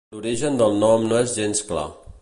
L’origen del nom no és gens clar.